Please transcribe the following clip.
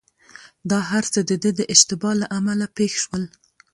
دا هرڅه دده د اشتباه له امله پېښ شول.